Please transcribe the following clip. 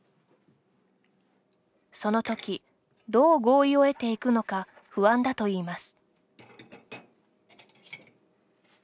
その時、どう合意を得ていくのか不安だといいます。